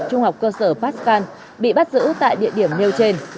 trung học cơ sở pastan bị bắt giữ tại địa điểm nêu trên